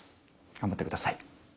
頑張ってください。